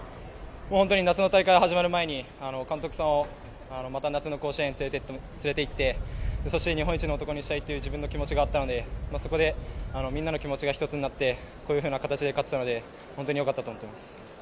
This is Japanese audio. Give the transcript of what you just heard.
本当に夏の大会が始まる前に監督さんをまた夏の甲子園に連れて行ってそして、日本一の男にしたいっていう自分の気持ちがあったのでみんなの気持ちが一つになってこういうふうな形で勝てたので本当によかったと思っています。